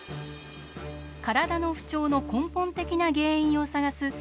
体の不調の根本的な原因を探す